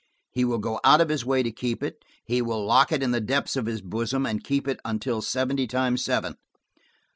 He will go out of his way to keep it: he will lock it in the depths of his bosom, and keep it until seventy times seven.